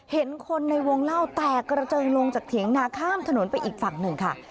เห็นคนในวงเล่าแตกกระเจิงลงจากเถียงนาข้ามถนนไปอีกฝั่งหนึ่งค่ะ